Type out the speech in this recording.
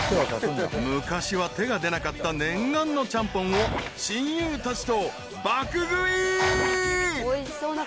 ［昔は手が出なかった念願のちゃんぽんを親友たちと爆食い］